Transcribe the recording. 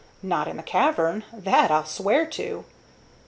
Not in the cavern. That I'll swear to."